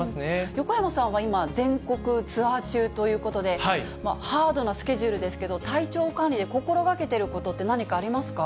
横山さんは今、全国ツアー中ということで、ハードなスケジュールですけれども、体調管理で心がけてることって何かありますか。